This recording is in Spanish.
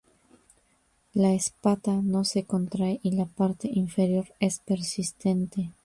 La espata no se contrae y la parte inferior es persistente.